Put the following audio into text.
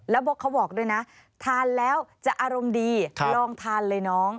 แล้วเขาบอกด้วยนะทานแล้วจะอารมณ์ดีลองทานเลยน้อง